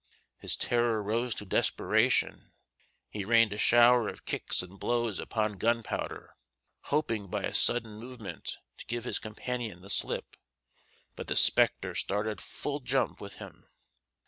His terror rose to desperation, he rained a shower of kicks and blows upon Gunpowder, hoping by a sudden movement to give his companion the slip; but the spectre started full jump with him.